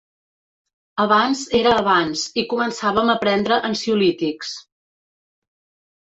Abans era abans i començàvem a prendre ansiolítics.